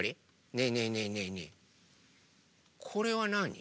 ねえねえねえねえねえこれはなに？